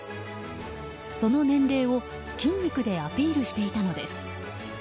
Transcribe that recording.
その年齢を筋肉でアピールしていたのです。